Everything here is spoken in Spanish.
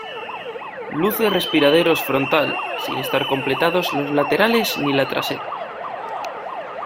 Luce respiraderos frontal, sin estar completados los laterales ni la trasera.